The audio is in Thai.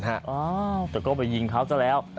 โอ้โหจะก็ไปยิงเขาแล้ว